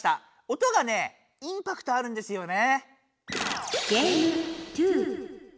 音がねインパクトあるんですよね。